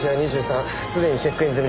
すでにチェックイン済みです。